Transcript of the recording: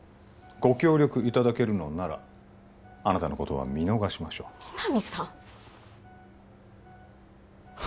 ご協力いただけるのならあなたのことは見逃しましょう皆実さん